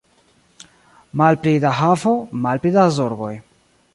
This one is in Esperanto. Malpli da havo, malpli da zorgoj.